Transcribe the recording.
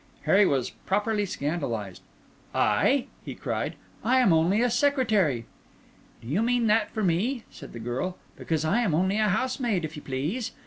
Harry was properly scandalised. "I!" he cried. "I am only a secretary!" "Do you mean that for me?" said the girl. "Because I am only a housemaid, if you please."